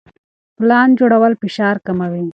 پلان جوړول فشار کموي.